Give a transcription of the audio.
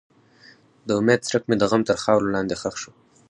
د امید څرک مې د غم تر خاورو لاندې ښخ شو.